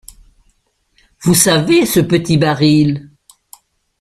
Vous savez, ce petit baril...